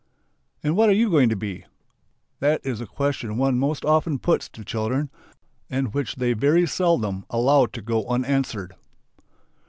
"And what are you going to be?" That is the question one most often puts to children and which they very seldom allow to go unanswered.